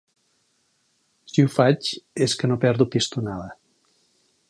Si ho faig és que no perdo pistonada.